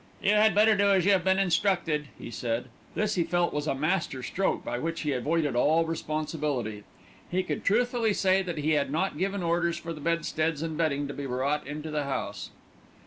"You had better do as you have been instructed," he said. This he felt was a master stroke by which he avoided all responsibility. He could truthfully say that he had not given orders for the bedsteads and bedding to be brought into the house.